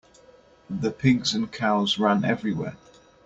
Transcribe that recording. The pigs and cows ran everywhere.